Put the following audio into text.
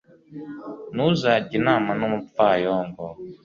ntuzajye inama n'umupfayongo